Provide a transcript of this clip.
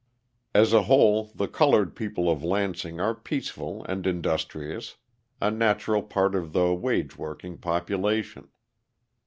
As a whole the coloured people of Lansing are peaceful and industrious, a natural part of the wage working population.